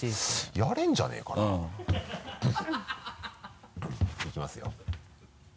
やれるんじゃねぇかな？いきますよ。